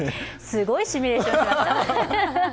すごいシミュレーションしました。